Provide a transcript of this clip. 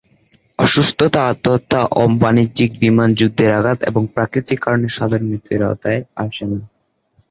অসুস্থতা, আত্মহত্যা, অ-বাণিজ্যিক বিমান, যুদ্ধের আঘাত এবং প্রাকৃতিক কারণে সাধারণত মৃত্যু এর আওতায় আসে না।